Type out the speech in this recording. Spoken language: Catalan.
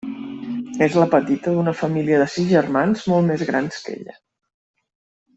És la petita d'una família de sis germans molt més grans que ella.